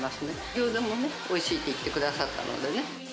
ギョーザもおいしいって言ってくださったのでね。